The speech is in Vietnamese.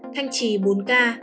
thanh trì bốn ca